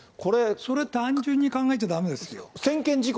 それ、単純に考えちゃだめですよ。